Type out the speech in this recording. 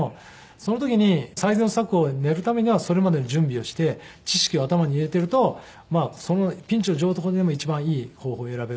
その時に最善の策を練るためにはそれまでの準備をして知識を頭に入れているとまあピンチの状況でも一番いい方法を選べるんだって。